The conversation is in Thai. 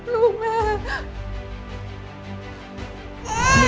ลูกแม่